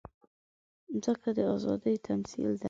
مځکه د ازادۍ تمثیل ده.